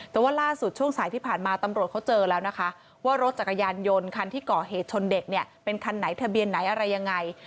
แต่ว่าล่าสุดช่วงสายที่ผ่านมาตำรวจเขาเจอแล้วนะคะว่ารถจักรยานยนต์คันที่ก่อเหตุชนเด็กเนี่ยเป็นคันไหนทะเบียนไหนอะไรยังไง